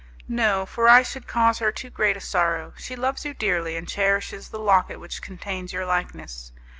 "No, for I should cause her too great a sorrow; she loves you dearly, and cherishes the locket which contains your likeness.